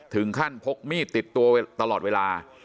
ถึงขั้นพกมีดติดตัวตลอดเวลา